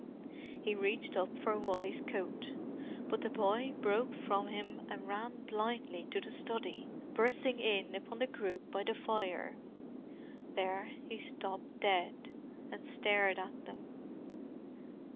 He reached up for Wally's coat. But the boy broke from him and ran blindly to the study, bursting in upon the group by the fire. There he stopped dead, and stared at them.